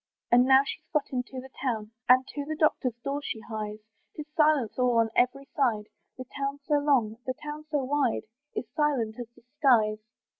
And now she's got into the town, And to the doctor's door she hies; Tis silence all on every side; The town so long, the town so wide, Is silent as the skies.